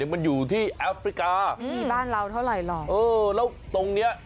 มันอยู่ที่แอฟริกามีบ้านเราเท่าไหร่หรอกเออแล้วตรงเนี้ย